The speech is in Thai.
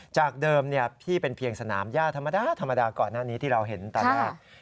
จากเดิมพี่เป็นเพียงสนามย่าธรรมดาธรรมดาก่อนหน้านี้ที่เราเห็นตอนแรก